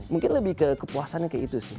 mungkin lebih ke kepuasannya kayak itu sih